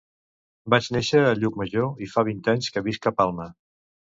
Vaig néixer a Llucmajor i fa vint anys que visc a Palma.